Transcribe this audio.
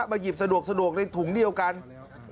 มาหยิบสะดวกในถุงนี่เอากัน